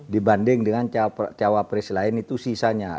dibanding dengan cawapres lain itu sisanya